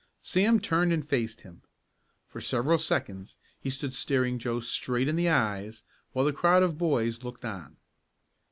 Sam turned and faced him. For several seconds he stood staring Joe straight in the eyes while the crowd of boys looked on.